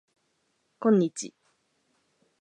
こんにち